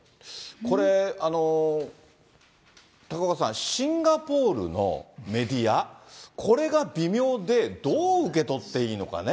これ、高岡さん、シンガポールのメディア、これが微妙で、どう受け取っていいのかね。